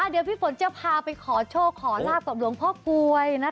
เดี๋ยวพี่ฝนจะพาไปขอโชคขอลาบกับหลวงพ่อกลวย